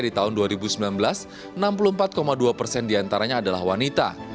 di tahun dua ribu sembilan belas enam puluh empat dua persen diantaranya adalah wanita